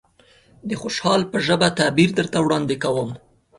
د خوشحال په ژبه تعبير درته وړاندې کوم.